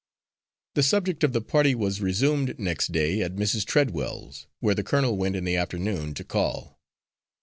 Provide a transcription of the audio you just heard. The subject of the party was resumed next day at Mrs. Treadwell's, where the colonel went in the afternoon to call.